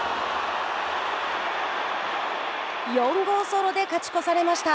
４号ソロで勝ち越されました。